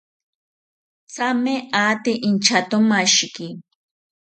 Thame ate inchatomashiki